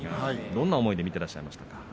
どんな思いで見ていらっしゃいましたか。